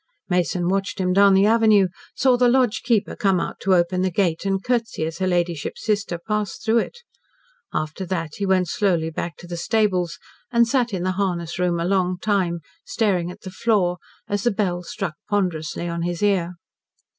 Mason watched him down the avenue, saw the lodge keeper come out to open the gate, and curtsy as her ladyship's sister passed through it. After that he went slowly back to the stables, and sat in the harness room a long time, staring at the floor, as the bell struck ponderously on his ear.